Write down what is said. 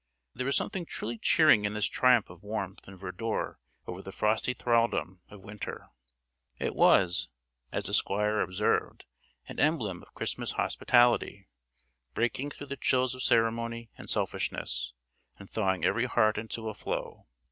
There was something truly cheering in this triumph of warmth and verdure over the frosty thraldom of winter; it was, as the Squire observed, an emblem of Christmas hospitality, breaking through the chills of ceremony and selfishness, and thawing every heart into a flow.